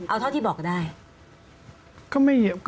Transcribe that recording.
เอาเท่าที่บอกได้